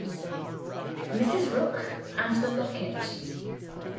MRS. ROOK AND THE LOCKET.